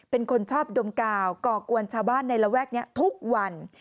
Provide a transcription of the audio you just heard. เป็นคนชอบดมกาวก่อกวนชาวบ้านในระแวกนี้ทุกวัน